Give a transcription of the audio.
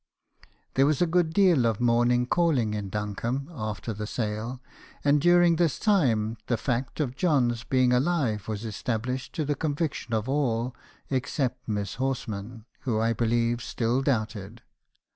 There was a good deal of morning calling in Duncombe after the sale; and, during this time, the fact of John's being alive was established to the conviction of all except Miss Hors man , who , I believe , still doubted.